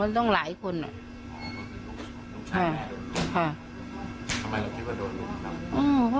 โดนลูกชายอีกไก่ก็ไม่ได้